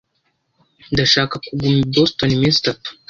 Ndashaka kuguma i Boston iminsi itatu.